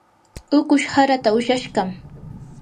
ukush haraata ushashqam.